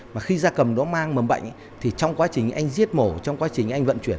và khi da cầm đó mang mầm bệnh thì trong quá trình anh giết mổ trong quá trình anh vận chuyển